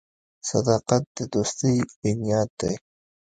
• صداقت د دوستۍ بنیاد دی.